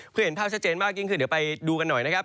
เพื่อเห็นภาพชัดเจนมากยิ่งขึ้นเดี๋ยวไปดูกันหน่อยนะครับ